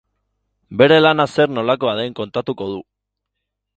Bere lana zer nolakoa den kontatuko du.